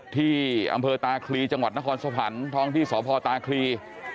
ที่อำเภอตาคลีจังหวัดนครสวรรค์ท้องที่สพตาคลี